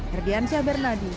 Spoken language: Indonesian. herdian syahbernadi jakarta timur